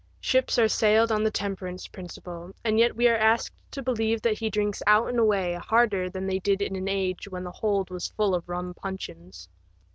Ships are sailed on the temperance principle, and yet we are asked to believe that he drinks out and away harder than they did in an age when the hold was full of rum puncheons.